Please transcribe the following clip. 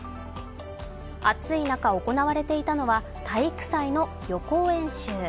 暑い中行われていたのは体育祭の予行演習。